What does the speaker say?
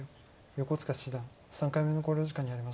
横塚七段３回目の考慮時間に入りました。